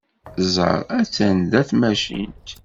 Ẓer! Attan da tmacint!